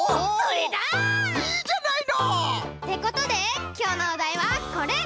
いいじゃないの！ってことできょうのおだいはこれ！